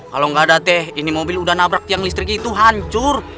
kalau nggak ada teh ini mobil udah nabrak tiang listrik itu hancur